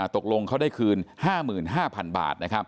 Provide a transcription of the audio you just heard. ตกลงเขาได้คืน๕๕๐๐๐บาท